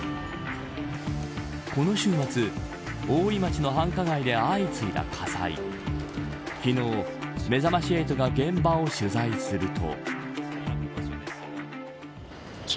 この週末、大井町の繁華街で相次いだ火災昨日めざまし８が現場を取材すると。